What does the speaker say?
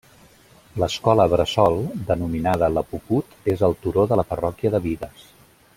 L'escola bressol, denominada La Puput és al turó de la Parròquia de Bigues.